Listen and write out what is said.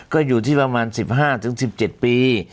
ก็อยู่ที่ประมาณ๑๕๑๗ปี